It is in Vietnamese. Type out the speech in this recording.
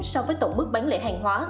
so với tổng mức bán lẻ hàng hóa